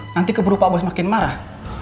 nanti keburu pak bos makin marah